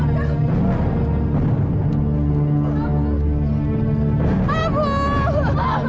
tau gue jangan